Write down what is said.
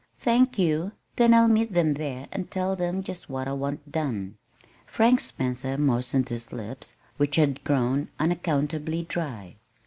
"Thank you; then I'll meet them there and tell them just what I want done." Frank Spencer moistened his lips, which had grown unaccountably dry.